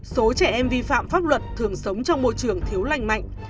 số trẻ em vi phạm pháp luật thường sống trong môi trường thiếu niên